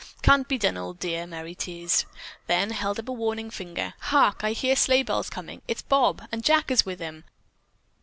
Can't be done, old dear," Merry teased, then held up a warning finger. "Hark! I hear sleigh bells coming. It's Bob, and Jack is with him.